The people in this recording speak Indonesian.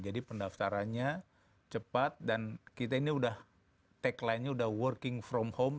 jadi pendaftarannya cepat dan kita ini udah tagline nya udah working from home